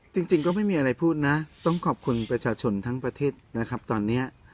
จริงก็ไม่มีอะไรพูดนะต้องขอบคุณประชาชนทั้งประเทศนะครับตอนนี้